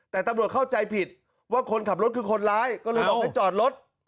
แต่ตำรวจเข้าใจผิดว่าคนขับรถคือคนร้ายก็เลยบอกให้จอดรถ